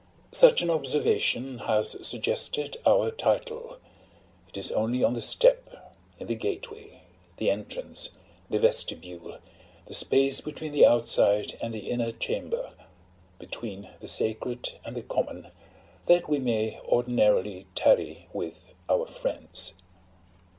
Such an observation has suggested our title. It is only on the step, in the gateway, the entrance, the vestibule, the space between the outside and the inner chamber, between the sacred and the common, that we may ordinarily tarry with our friends.